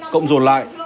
cộng dồn lại